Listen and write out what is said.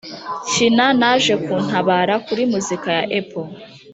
kina "naje kuntabara"kuri muzika ya apple